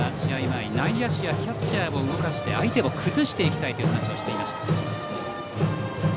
前内野手やキャッチャーを動かして相手を崩していきたいという話をしていました。